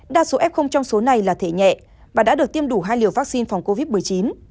đa số f trong số này là thể nhẹ và đã được tiêm đủ hai liều vaccine phòng covid một mươi chín